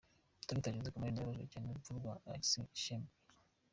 Dr Jose Chameleone yababajwe cyane n'urupfu rwa Alex Ssempijja.